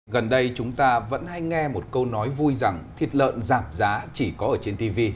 gần đây chúng ta vẫn hay nghe một câu nói vui rằng thịt lợn giảm giá chỉ có ở trên tv